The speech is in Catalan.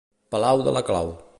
Palau de la clau.